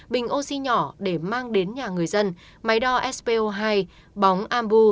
bình oxy nhỏ để mang đến nhà người dân máy đo spo hai bóng ambu